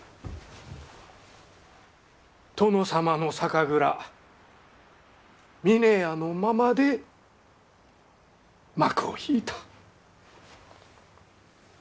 殿様の酒蔵峰屋のままで幕を引いた。